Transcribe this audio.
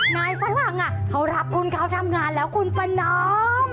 ฝรั่งเขารับคุณเขาทำงานแล้วคุณประนอม